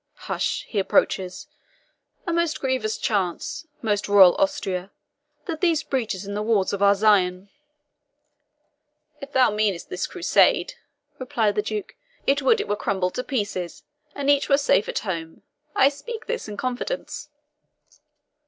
Hush! he approaches. A most grievous chance, most royal Austria, that these breaches in the walls of our Zion " "If thou meanest this Crusade," replied the Duke, "I would it were crumbled to pieces, and each were safe at home! I speak this in confidence."